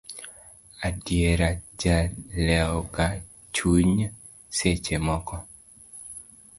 Adiera jalewo ga chuny seche moko.